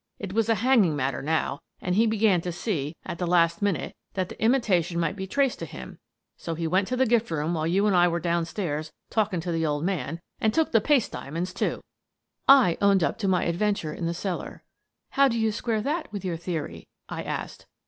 It was a hanging matter now, and he began to see, at the last minute, that the imitation might be traced to him, so he went to the gift room while you and I were down stairs talking to the old man, and took the paste diamonds, too." I owned up to my adventure in the cellar. "How do you square that with your theory?" I asked.